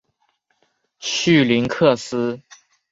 绪林克斯。